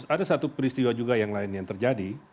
ada satu peristiwa juga yang lain yang terjadi